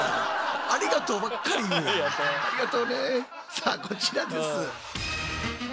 さあこちらです。